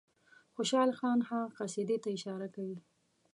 خوشحال خان هغه قصیدې ته اشاره کوي.